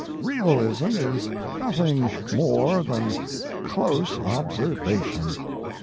Realism is nothing more than close observation.